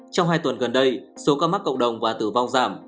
trong hai tuần gần đây số ca mắc cộng đồng và tử vong giảm